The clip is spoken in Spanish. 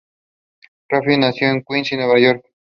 Rafferty nació en Queens, Nueva York.